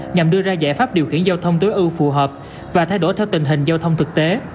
nhằm đưa ra giải pháp điều khiển giao thông tối ưu phù hợp và thay đổi theo tình hình giao thông thực tế